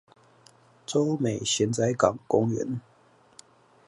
洲美蜆仔港公園